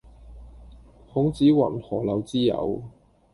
孔子云：「何陋之有？」